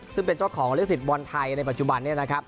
ซึ่งเป็นเจ้าของเลขสิทธิ์บอลไทยในปัจจุบัน